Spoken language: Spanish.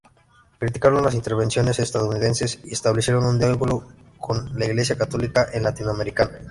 Criticaron las intervenciones estadounidense y establecieron un diálogo con la iglesia católica en latinoamericana.